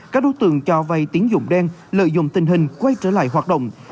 các đối tượng cho vay tiến dụng đen lợi dụng tình hình quay trở lại hoạt động